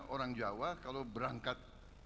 orang jawa kalau berangkat